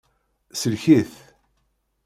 Sellek-it.